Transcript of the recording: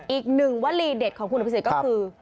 อีกหนึ่งวลีเด็ดของคุณอภิษฎก็คือ